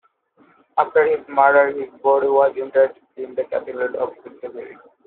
After his murder, his body was interred in the Cathedral of Seville.